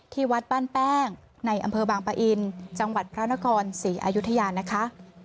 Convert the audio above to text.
ที่วัดบ้านแป้งในอำเภอบางปะอินจังหวัดพระนครศรีอายุทยานะคะ